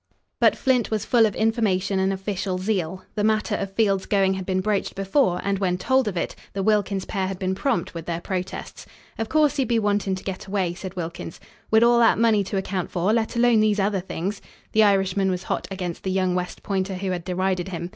But Flint was full of information and official zeal. The matter of Field's going had been broached before, and, when told of it, the Wilkins pair had been prompt with their protests. "Of course he'd be wantin' to get away," said Wilkins, "wid all that money to account for, let alone these other things." The Irishman was hot against the young West Pointer who had derided him.